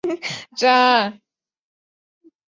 野狐岭战役也是世界军事史上以少胜多典范作战。